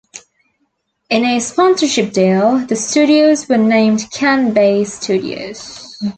In a sponsorship deal, the studios were named "Can-Base Studios".